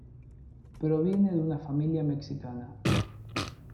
Proviene de una familia mexicana.